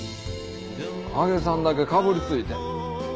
揚げさんだけかぶりついて。